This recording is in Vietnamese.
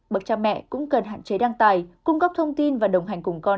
bậc cha mẹ cũng cần hạn chế đăng tài cung cấp thông tin và đồng hành cùng con